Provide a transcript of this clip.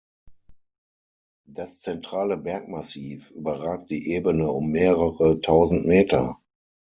Das zentrale Bergmassiv überragt die Ebene um mehrere tausend Meter.